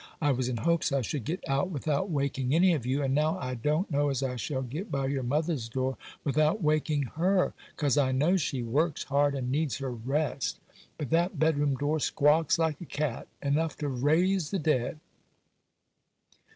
I was in hopes I should get out without waking any of you; and now I don't know as I shall get by your mother's door without waking her ('cause I know she works hard, and needs her rest); but that bedroom door squawks like a cat—enough to raise the dead!